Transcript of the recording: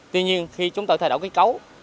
tuy nhiên khi chúng ta thay đổi cái cáo